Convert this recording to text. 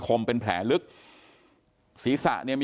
กลุ่มตัวเชียงใหม่